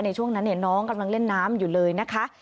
ในช่วงนั้นน้องกำลังเล่นน้ำอยู่เลยนะคะ